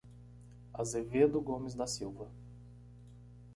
Azevedo Gomes da Silva